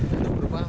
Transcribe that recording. yang berupa pelampung